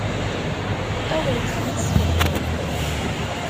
Ad awent-t-id-sfehmeɣ.